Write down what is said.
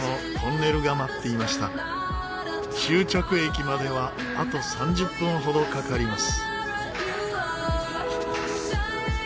終着駅まではあと３０分ほどかかります。